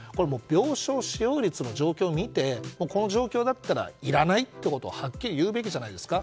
病床使用率の状況を見てこの状況だったらいらないってことをはっきり言うべきじゃないですか。